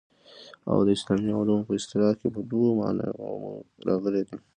او د اسلامي علومو په اصطلاح کي په دوو معناوو راغلې ده.